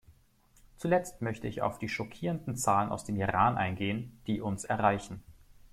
Zuletzt möchte ich auf die schockierenden Zahlen aus dem Iran eingehen, die uns erreichen.